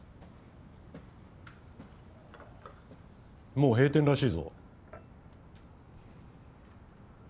もう閉店らしいぞ。